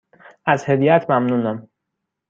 از هدیهات ممنونم.